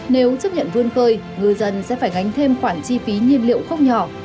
nếu chấp nhận vươn khơi ngư dân sẽ phải gánh thêm khoản chi phí nhiên liệu không nhỏ